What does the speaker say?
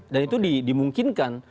dan itu dimungkinkan